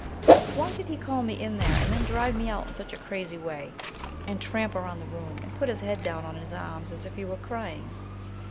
Why did he call me in there and then drive me out in such a crazy way, and tramp around the room, and put his head down on his arms as if he were crying?"